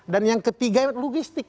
dan yang ketiga logistik